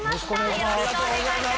よろしくお願いします。